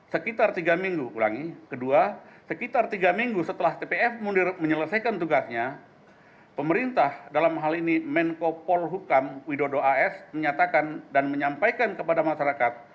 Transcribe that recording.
sekitar tiga minggu setelah tpf munir menyelesaikan tugasnya pemerintah dalam hal ini menko polhukam widodo as menyatakan dan menyampaikan kepada masyarakat